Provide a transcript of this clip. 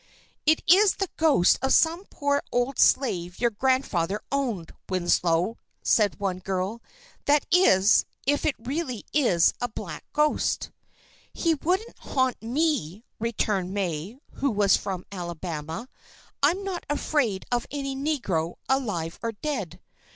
"It is the ghost of some poor old slave your grandfather owned, Winslow," said one girl. "That is, if it really is a black ghost." "He wouldn't haunt me," returned May, who was from Alabama. "I'm not afraid of any negro, alive or dead!